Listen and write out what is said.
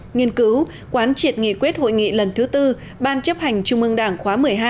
nghiên cứu quán triệt nghị quyết hội nghị lần thứ tư ban chấp hành trung ương đảng khóa một mươi hai